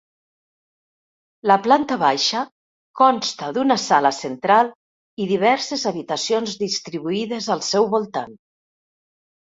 La planta baixa consta d'una sala central i diverses habitacions distribuïdes al seu voltant.